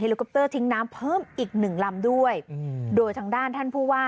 ลิคอปเตอร์ทิ้งน้ำเพิ่มอีกหนึ่งลำด้วยอืมโดยทางด้านท่านผู้ว่า